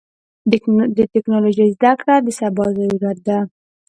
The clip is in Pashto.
د ټکنالوژۍ زدهکړه د سبا ضرورت ده.